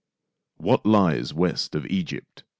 " What lies west of Egypt